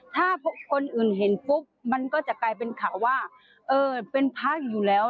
ถ้าคนอื่นเห็นปุ๊บมันก็จะกลายเป็นข่าวว่าเออเป็นพระอยู่แล้ว